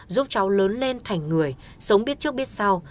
giúp cháu lớn lên thành người sống biết trước biết sau